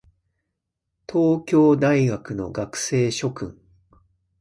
東京大学の学生諸君